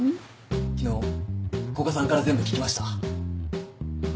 昨日古賀さんから全部聞きました。